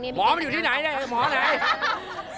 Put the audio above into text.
หมอมันอยู่ที่ไหนเนี่ยหมอไหน